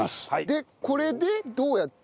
でこれでどうやって。